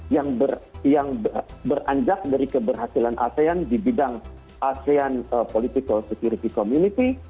yang beranjak dari keberhasilan asean di bidang asean political security community